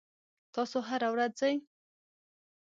تاسو هره ورځ ځئ؟